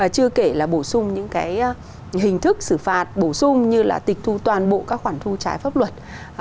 chưa kể là bổ sung những cái hình thức xử phạt bổ sung như là tịch thu toàn bộ các khoản thu trái pháp luật